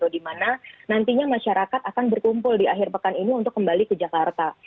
dimana nantinya masyarakat akan berkumpul di akhir pekan ini untuk kembali ke arus mudik